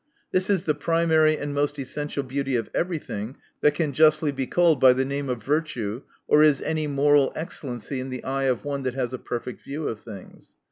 This is the primary and most essential Beauty oi every thing that can justly be called by the name of virtue, or is any moral ex cellency in the eye of one that has a perfect view of things.